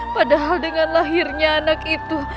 padahal dengan lahirnya anak itu